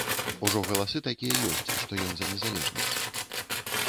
Ужо галасы такія ёсць, што ён за незалежнасць.